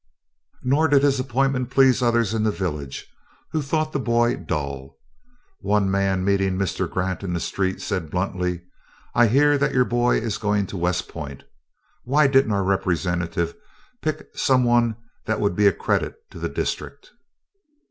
Nor did his appointment please others in the village, who thought the boy dull. One man meeting Mr. Grant in the street, said bluntly: "I hear that your boy is going to West Point. Why didn't our Representative pick some one that would be a credit to the district?"